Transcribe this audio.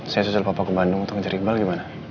saya susul papa ke bandung untuk ngejar iqbal gimana